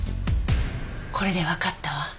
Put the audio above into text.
これでわかったわ。